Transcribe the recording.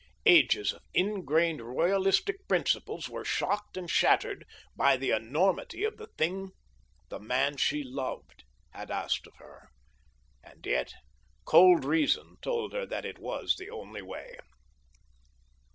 Ages of ingrained royalistic principles were shocked and shattered by the enormity of the thing the man she loved had asked of her, and yet cold reason told her that it was the only way.